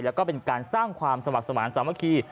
และก็เป็นสร้างสมัครสมาธิสามัคคี